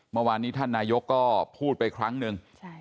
เมื่อวานนี้ท่านนายกก็พูดไปครั้งหนึ่ง